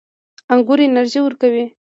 انګور انرژي ورکوي